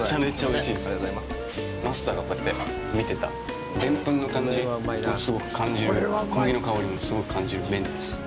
マスターがこうやって見てたでんぷんの感じもすごく感じる小麦の香りも感じる麺です。